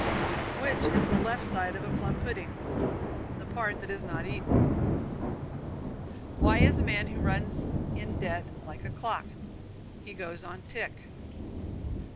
Which is the left side of a plum pudding? The part that is not eaten. Why is a man who runs in debt like a clock? He goes on tick.